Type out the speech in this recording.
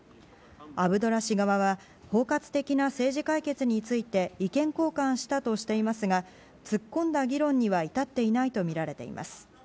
アブドラ氏側は包括的な政治解決について意見交換したとしていますが突っ込んだ議論には至っていないとみられています。